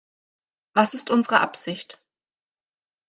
Was ist unsere Absicht?